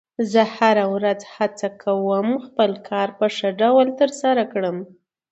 زه هره ورځ هڅه کوم خپل کار په ښه ډول ترسره کړم